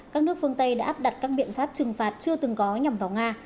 các nước phương tây đã áp đặt các biện pháp trừng phạt chưa từng có nhằm vào nga